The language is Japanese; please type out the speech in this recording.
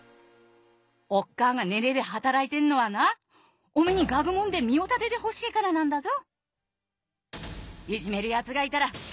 おっかあが寝ねえで働いてんのはなおめに学問で身を立ててほしいからなんだぞ。